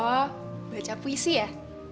oh baca puisi ya